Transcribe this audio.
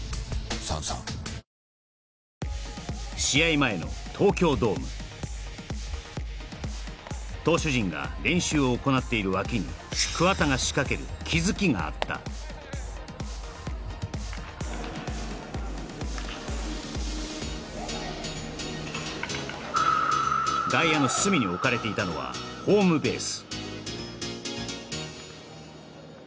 前の東京ドーム投手陣が練習を行っている脇にがあった外野の隅に置かれていたのはホームベース